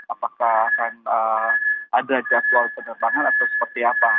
apakah akan ada jadwal penerbangan atau seperti apa